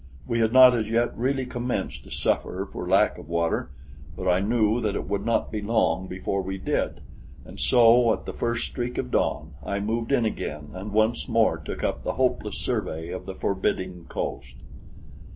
We had not as yet really commenced to suffer for lack of water; but I knew that it would not be long before we did, and so at the first streak of dawn I moved in again and once more took up the hopeless survey of the forbidding coast.